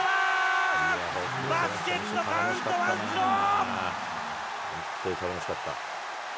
バスケットカウントワンスロー。